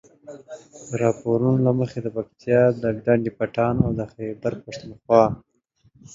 د راپورونو له مخې د پکتیا د ډنډ پټان او د خيبر پښتونخوا